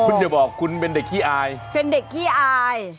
คุณอย่าบอกคุณเป็นเด็กขี้อายเป็นเด็กขี้อาย